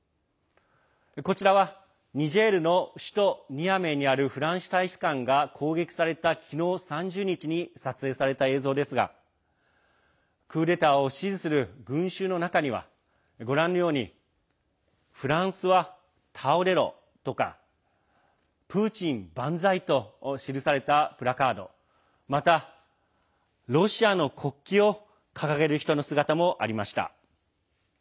こちらは、ニジェールの首都ニアメーにあるフランス大使館が攻撃された昨日、３０日に撮影された映像ですがクーデターを支持する群衆の中には、ご覧のようにフランスは倒れろとかプーチン万歳と記されたプラカードまた、ロシアの国旗を掲げる人の姿もありました。